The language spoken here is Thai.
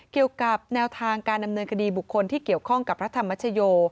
เกี่ยวกับแนวทางการดำเนินคดีบุคคลที่เกี่ยวข้องกับพระธรรมชโย